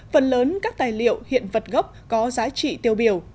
phần lớn các tài liệu hiện vật gốc có giá trị tiêu biểu